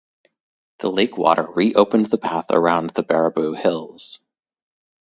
The lake water reopened the path around the Baraboo Hills.